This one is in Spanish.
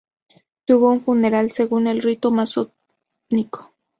Tuvo un funeral según el rito masónico.